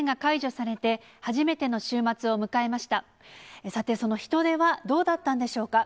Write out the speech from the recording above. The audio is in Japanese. さて、その人出はどうだったんでしょうか。